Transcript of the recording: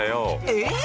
えっ！